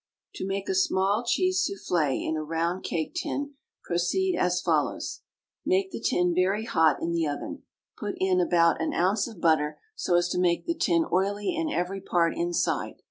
To make a small cheese souffle in a round cake tin, proceed as follows: Make the tin very hot in the oven. Put in about an ounce of butter, so as to make the tin oily in every part inside.